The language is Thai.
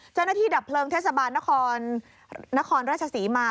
เจ้าหน้าที่ดับเพลิงเทศบาลนครราชสีมา